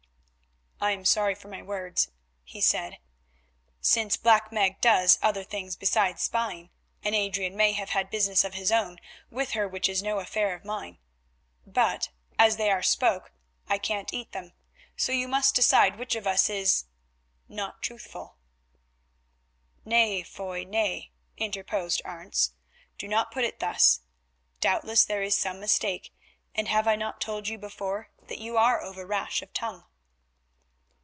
"I am sorry for my words," he said, "since Black Meg does other things besides spying, and Adrian may have had business of his own with her which is no affair of mine. But, as they are spoke, I can't eat them, so you must decide which of us is—not truthful." "Nay, Foy, nay," interposed Arentz, "do not put it thus. Doubtless there is some mistake, and have I not told you before that you are over rash of tongue?"